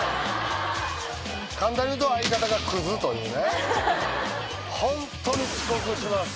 簡単に言うと相方がクズというね本当に遅刻します